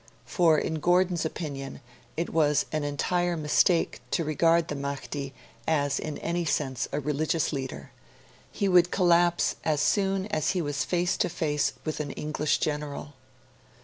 For in Gordon's opinion it was 'an entire mistake to regard the Mahdi as in any sense a religious leader'; he would collapse as soon as he was face to face with an English general.